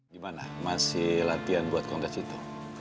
gimana masih latihan buat kontras itu